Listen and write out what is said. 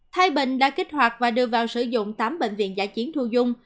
thái bình đã kích hoạt và đưa vào sử dụng tám bệnh viện giả chiến thu dung